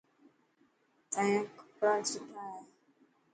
تايان ڪيڙا سٺا هي.